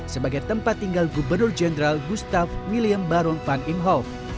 sebagai tempat tinggal gubernur jenderal gustave william baron van imhoff